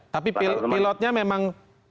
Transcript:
tapi pilotnya memang